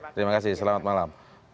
terima kasih selamat malam